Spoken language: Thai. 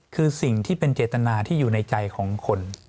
คือสิ่งที่เป็นเจตนาที่อยู่ในใจของคน